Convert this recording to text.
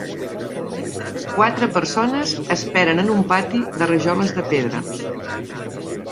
Quatre persones esperen en un pati de rajoles de pedra.